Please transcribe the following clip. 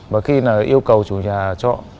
và khi yêu cầu chủ nhà trọ